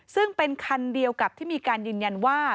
ซึ่งเป็นคันเดียวกับที่มีการยืนยันว่า